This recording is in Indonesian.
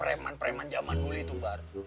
premen premen jaman dulu itu bar